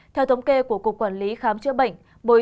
theo thống kê của cục quản lý khám chữa bệnh